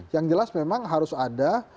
yang jelas memang harus ada